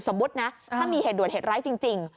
สมมุตินะถ้ามีเหตุด่วนเหตุร้ายจริง